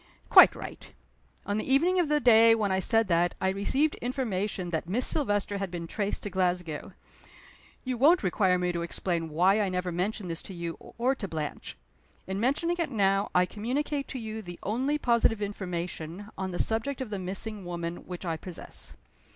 "Quite right! On the evening of the day when I said that I received information that Miss Silvester had been traced to Glasgow. You won't require me to explain why I never mentioned this to you or to Blanche. In mentioning it now, I communicate to you the only positive information, on the subject of the missing woman, which I possess.